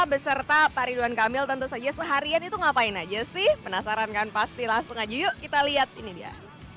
beserta pak ridwan kamil tentu saja seharian itu ngapain aja sih penasaran kan pasti langsung aja yuk kita lihat ini dia